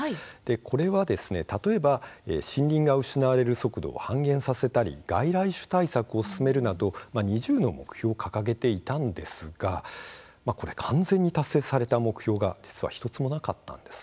これは例えば森林が失われる速度を半減させたり外来種対策を進めるなど２０の目標を掲げていたんですが完全に達成された目標が実は１つもなかったんです。